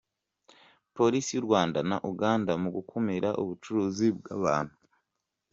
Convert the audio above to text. Polisi y’u Rwanda na Uganda mu gukumira ubucuruzi bw’abantu